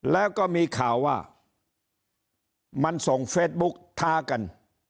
แล้วก็มีข่าวว่ามันส่งเฟซบุ๊กท้ากัน